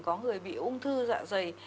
có người bị ung thư dạ dày